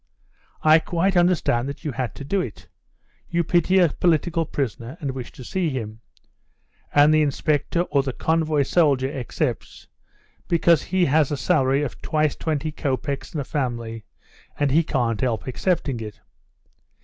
"I quite understand that you had to do it. You pity a political prisoner and wish to see him. And the inspector or the convoy soldier accepts, because he has a salary of twice twenty copecks and a family, and he can't help accepting it.